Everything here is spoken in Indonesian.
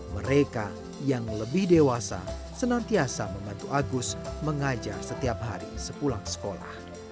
mereka yang lebih dewasa senantiasa membantu agus mengajar setiap hari sepulang sekolah